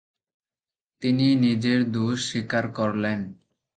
তিনি নিজের দোষ স্বীকার করলেন।